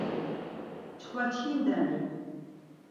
Çkva çkinden re.